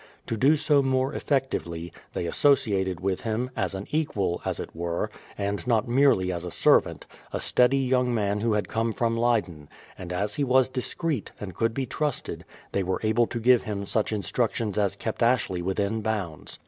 To do so more effectively, tliey asso ciated with him, as an equal, as it were, and not merely as a servant, a steady young man who had come from Leyden; and as he was discreet, and could be trusted, they were able to give him such instructions as kept Ashley within bounds.